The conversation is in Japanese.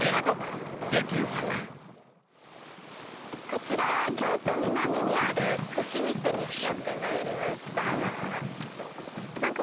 こちら京都南にある伏見区にやってまいりましたなんか